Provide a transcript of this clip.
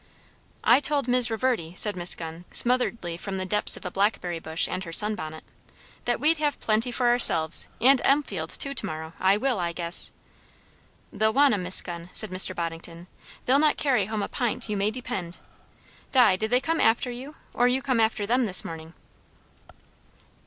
"I told Mis' Reverdy," said Miss Gunn smotheredly from the depths of a blackberry bush and her sun bonnet, "that we'd have plenty for ourselves and Elmfield too to morrow. I will, I guess." "They'll want 'em, Miss Gunn," said Mr. Boddington. "They'll not carry home a pint, you may depend. Di, did they come after you, or you come after them, this morning?"